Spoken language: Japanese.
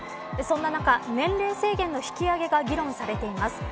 その中、年齢制限の引き上げが議論されています。